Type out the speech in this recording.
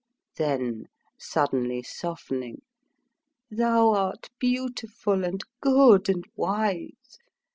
then, suddenly softening "Thou art beautiful, and good, and wise.